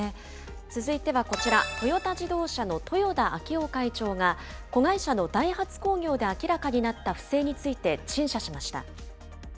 続いてはこちら、トヨタ自動車の豊田章男会長が、子会社のダイハツ工業で明らかになった不正について陳謝しました。